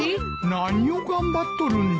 何を頑張っとるんだ。